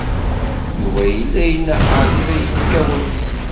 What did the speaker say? Yuba yella inehheṛ kra yekka wass.